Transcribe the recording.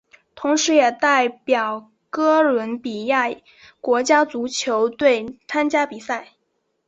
同时也代表哥伦比亚国家足球队参加比赛。